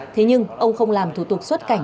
thế nhưng ông không làm thủ tục xuất cảnh